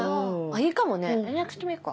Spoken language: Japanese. いいかもね連絡してみよっか。